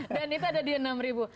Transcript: dan itu ada di rp enam